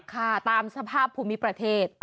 ค่ะตามสภาพภูมิประเทศ